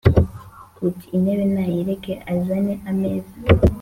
Uti: intebe nayireke azane ameza